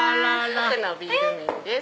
ぼくのビール麺です。